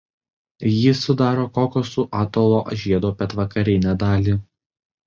Ji sudaro Kokosų atolo žiedo pietvakarinę dalį.